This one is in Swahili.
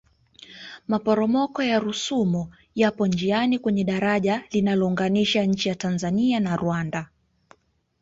maporomoko ya rusumo yapo njiani kwenye dajara linalounganisha nchi ya tanzania na rwanda